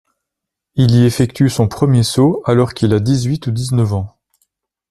Il y effectue son premier saut alors qu'il a dix-huit ou dix-neuf ans.